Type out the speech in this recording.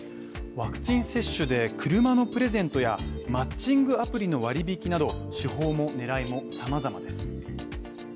ワクチン接種で、車のプレゼントやマッチングアプリの割引など手法も狙いも様々です。